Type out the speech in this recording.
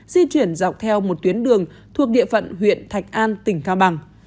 di chuyển dọc theo một tuyến đường thuộc địa phận huyện thạch an tỉnh cao bằng